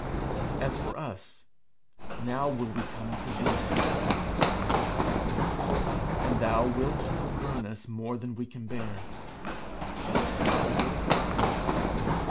As for us, now will we come to thee, our Consuming Fire. And thou wilt not burn us more than we can bear. But thou wilt burn us.